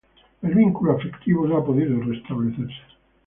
El vínculo afectivo no ha podido restablecerse.